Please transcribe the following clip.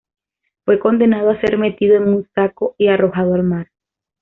Fue condenado a ser metido en un saco y arrojado al mar.